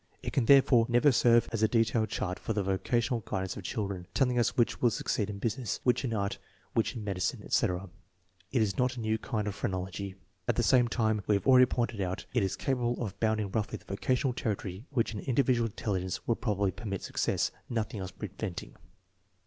It can, therefore, never serve as a detailed chart for the vocational guidance of children, telling us which will succeed in business, which in art, which in medicine, etc. It is not a new kind of phrenology. At the same time, as we have already pointed out, it is capable of bounding roughly the vocational territory in which an indi vidual's intelligence mil probably permit success, nothing else preventing.